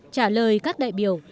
trả lời các đại biểu